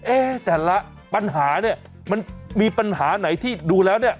เอ๊ะแต่ละปัญหาเนี่ยมันมีปัญหาไหนที่ดูแล้วเนี่ย